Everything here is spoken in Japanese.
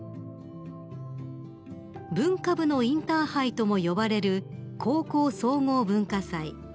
［文化部のインターハイとも呼ばれる高校総合文化祭］